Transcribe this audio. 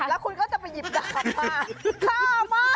แล้วคุณก็จะไปหยิบดาบมาก